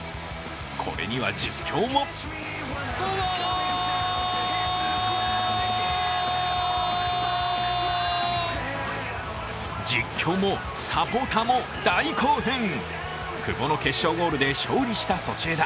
これには実況も実況もサポーターも大興奮、久保の決勝ゴールで勝利したソシエダ。